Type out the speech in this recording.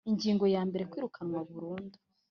Ingingo ya mbere Kwirukanwa burundu